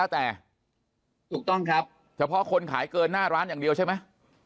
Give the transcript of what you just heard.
แต่ถูกต้องครับเฉพาะคนขายเกินหน้าร้านอย่างเดียวใช่ไหม